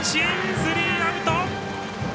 スリーアウト。